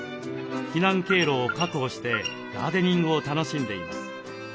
避難経路を確保してガーデニングを楽しんでいます。